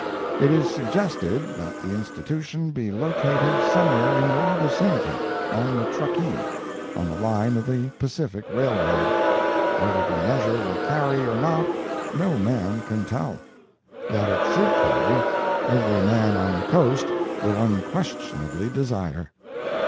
It is suggested that the institution be located somewhere in your vicinity, on the Truckee, on the line of the Pacific Railroad. Whether the measure will carry or not, no man can tell. That it should carry, every man on the "coast" will unquestionably desire.